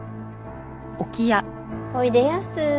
おいでやす。